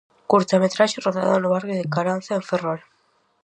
Curtametraxe rodada no barrio de Caranza en Ferrol.